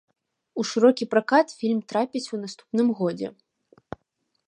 У шырокі пракат фільм трапіць у наступным годзе.